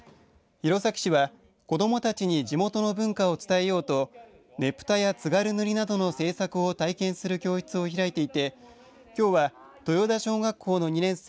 弘前市は、子どもたちに地元の文化を伝えようとねぷたや津軽塗などの制作を体験する教室を開いていてきょうは豊田小学校の２年生